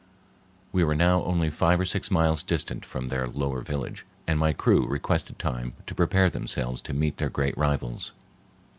We were now only five or six miles distant from their lower village, and my crew requested time to prepare themselves to meet their great rivals.